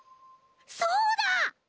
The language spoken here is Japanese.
そうだ！